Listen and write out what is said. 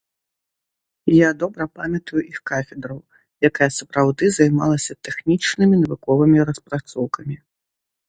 Я добра памятаю іх кафедру, якая сапраўды займалася тэхнічнымі навуковымі распрацоўкамі.